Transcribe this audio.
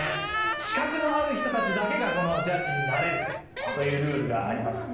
資格のある人だけがジャッジになれるというルールがあります。